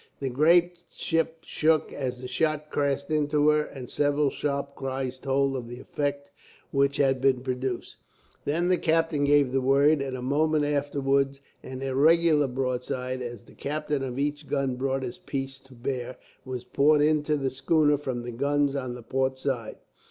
The great ship shook as the shot crashed into her, and several sharp cries told of the effect which had been produced. Then the captain gave the word, and a moment afterwards an irregular broadside, as the captain of each gun brought his piece to bear, was poured into the schooner from the guns on the port side.